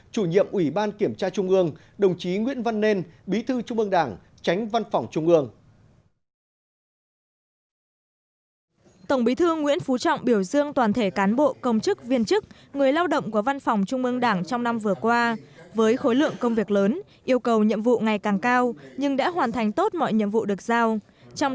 chủ nhiệm ủy ban kiểm tra trung ương đồng chí nguyễn văn nên bí thư trung mương đảng tránh văn phòng trung ương